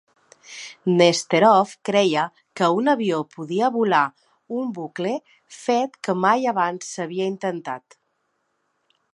Nesterov creia que un avió podia volar un bucle, fet que mai abans s'havia intentat.